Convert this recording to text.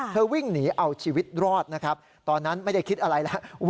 วิ่งหนีเอาชีวิตรอดนะครับตอนนั้นไม่ได้คิดอะไรแล้ว